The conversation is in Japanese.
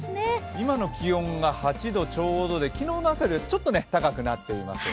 今の気温が８度ちょうどで昨日の朝よりは、ちょっと高くなっています。